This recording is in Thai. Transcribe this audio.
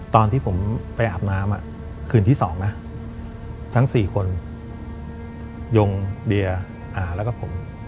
ตอนที่ผมไปอาบน้ำคืนที่๒นะทั้ง๔คนยงเบียร์แล้วก็ผม